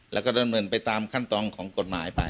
แล้วก็ดำเนินไปตามขั้นตอนของกฎหมายไป